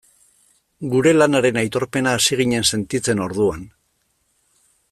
Gure lanaren aitorpena hasi ginen sentitzen orduan.